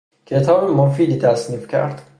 کتاب مفیدی تصنیف کرد.